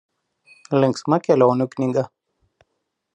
Linksma kelionių knyga".